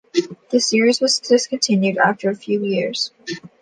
The series were discontinued after a few years.